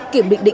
kiểm định định